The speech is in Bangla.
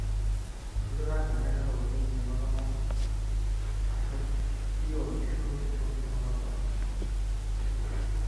সুতরাং দেখা গেল, অতি নিম্নতম আসক্তিও ঈশ্বর হইতে শক্তি সংগ্রহ করে।